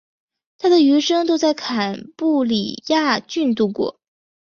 他的余生都在坎布里亚郡度过。